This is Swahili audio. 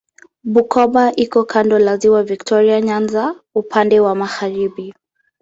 Bukoba iko kando la Ziwa Viktoria Nyanza upande wa magharibi.